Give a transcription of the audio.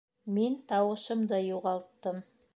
Мин тауышымды юғалттым